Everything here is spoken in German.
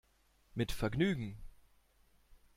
Mit Vergnügen!